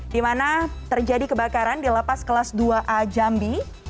dimana terjadi kebakaran di lapas kelas dua a jambi